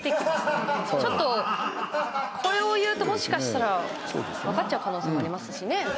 ちょっと、これを言うともしかしたら分かっちゃう可能性ありますしね。